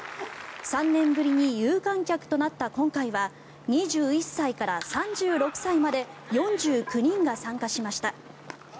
３年ぶりに有観客となった今回は２１歳から３６歳まで４９人が参加しました。